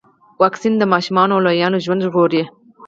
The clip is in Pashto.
واکسین د ماشومانو او لویانو ژوند ژغوري.